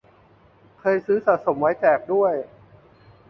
เคยซื้อสะสมไว้แจกด้วย